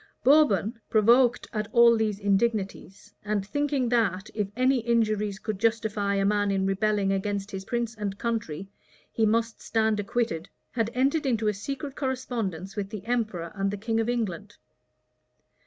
Bourbon, provoked at all these indignities, and thinking that, if any injuries could justify a man in rebelling against his prince and country, he must stand acquitted, had entered into a secret correspondence with the emperor and the king of England.